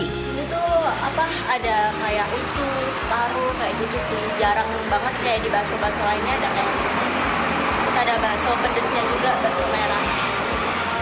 di sini tuh apa ada kayak usus paru kayak gitu sih jarang banget kayak di bakso bakso lainnya ada kayak ada bakso pedesnya juga bakso merah